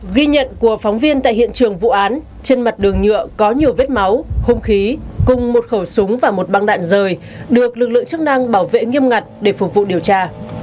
ghi nhận của phóng viên tại hiện trường vụ án trên mặt đường nhựa có nhiều vết máu hông khí cùng một khẩu súng và một băng đạn rời được lực lượng chức năng bảo vệ nghiêm ngặt để phục vụ điều tra